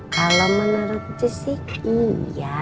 kalo menurutnya sih iya